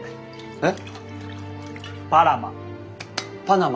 えっ？